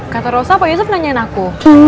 kata rosa pak yusuf nanyain aku